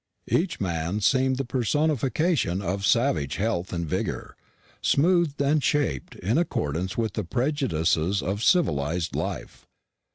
Each man seemed the personification of savage health and vigour, smoothed and shapened in accordance with the prejudices of civilised life.